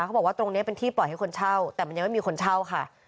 เขาบอกว่าตรงนี้เป็นที่ปล่อยให้คนเช่าแต่มันยังไม่มีคนเช่าค่ะ